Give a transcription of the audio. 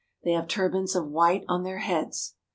They have turbans of white on their heads.